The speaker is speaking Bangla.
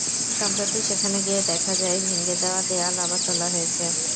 সম্প্রতি সেখানে গিয়ে দেখা যায়, ভেঙে দেওয়া দেয়াল আবার তোলা হয়েছে।